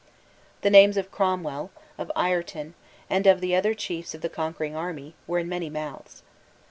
The names of Cromwell, of Ireton, and of the other chiefs of the conquering army, were in many mouths.